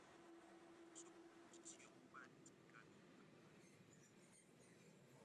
Su composición para el musical "Moulin Rouge!